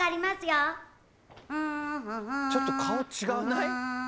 「ちょっと顔違わない？